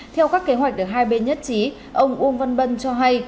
theo các kế hoạch được hai bên nhất trí ông uông văn bân cho hay